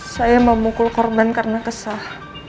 saya memukul korban karena kesah